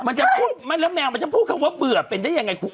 มันจะพูดไม่แล้วแมวมันจะพูดคำว่าเบื่อเป็นได้ยังไงคุณ